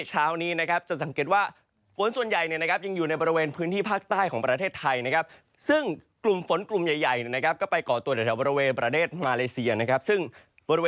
เช้านี้จะสังเกตว่าฝนส่วนใหญ่ยังอยู่ในบริเวณพื้นที่ภาคใต้ของประเทศไทยนะครับ